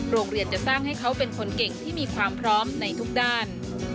จะสร้างให้เขาเป็นคนเก่งที่มีความพร้อมในทุกด้าน